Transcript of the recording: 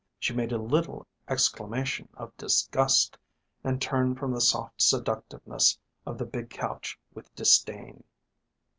She made a little exclamation of disgust, and turned from the soft seductiveness of the big couch with disdain.